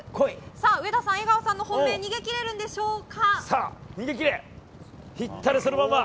上田さん、江川さんの本命は逃げ切れるんでしょうか。